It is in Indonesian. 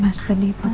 kati thank you rendy